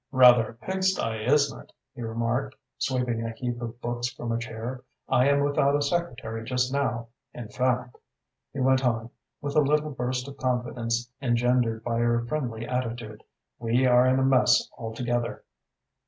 "Rather a pigsty, isn't it?" he remarked, sweeping a heap of books from a chair. "I am without a secretary just now in fact," he went on, with a little burst of confidence engendered by her friendly attitude, "we are in a mess altogether."